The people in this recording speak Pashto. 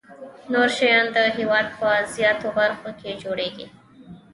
نور شیان د هېواد په زیاتو برخو کې جوړیږي.